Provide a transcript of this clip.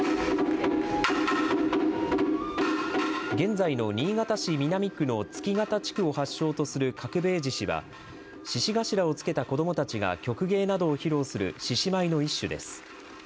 現在の新潟市南区の月潟地区を発祥とする角兵衛獅子は獅子頭をつけた子どもたちが曲芸などを披露する獅子舞の一種です。